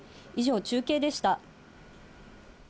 以上、中継でした。